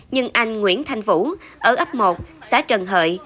nhưng anh nguyễn thanh vũ ở ấp một xã trần hợi